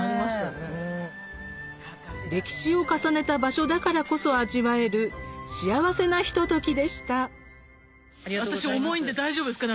歴史を重ねた場所だからこそ味わえる幸せなひとときでした私重いんで大丈夫ですか？